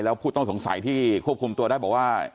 แล้วผู้ต้องสงสัยที่ควบคุมตัวได้บอกว่า